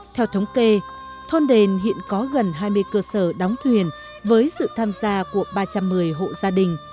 theo thống kê thôn đền hiện có gần hai mươi cơ sở đóng thuyền với sự tham gia của ba trăm một mươi hộ gia đình